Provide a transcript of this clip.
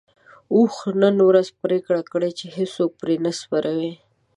اوښ نن ورځ پرېکړه کړې چې هيڅوک پرې نه سپروي.